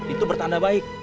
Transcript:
itu bertanda baik